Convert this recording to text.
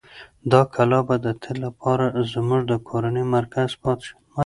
دا کلا به د تل لپاره زموږ د کورنۍ مرکز پاتې شي.